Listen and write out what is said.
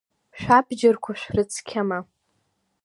Шәабџьарқәа шәрыцқьама?